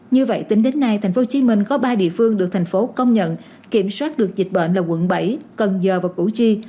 như vậy tính đến nay tp hcm có ba địa phương được thành phố công nhận kiểm soát được dịch bệnh là quận bảy cần giờ và củ chi